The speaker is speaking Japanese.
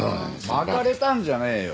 まかれたんじゃねえよ。